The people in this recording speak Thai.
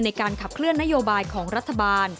ในการขับเคลื่อนนโยบายของรัฐบาล